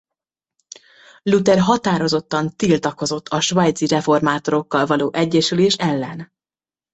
Luther határozottan tiltakozott a svájci reformátorokkal való egyesülés ellen.